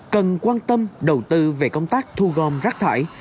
cần quan tâm đầu tư về công tác thu gom rác thải